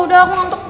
udah aku nonton